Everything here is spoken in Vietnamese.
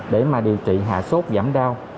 để mà điều trị hạ sốt giảm đau